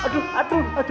aduh aduh aduh